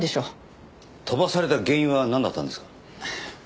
飛ばされた原因はなんだったんですか？